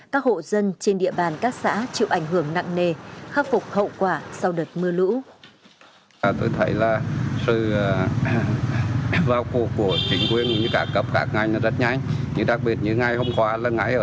các hộ dân trên địa bàn các xã chịu ảnh hưởng nặng nề khắc phục hậu quả sau đợt mưa lũ